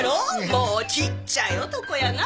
もうちっちゃい男やな。